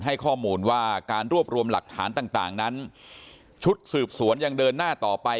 ให้ข้อมูลว่าการรวบรวมหลักฐานต่างนั้นชุดสืบสวนยังเดินหน้าต่อไป